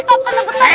puter penuh betul ini